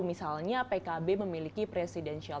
misalnya pkb memiliki presidensial